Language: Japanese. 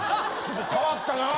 変わったな。